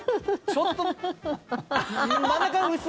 ちょっと！